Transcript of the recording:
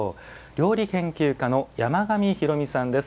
料理研究家の山上公実さんです。